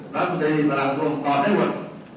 แล้วผมจะหยินประหลาดโทษตอบได้ว่า